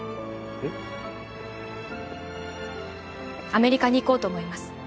アメリカに行こうと思います。